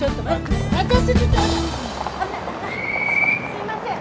すいません。